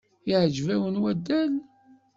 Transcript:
Iεǧeb-wen waddal?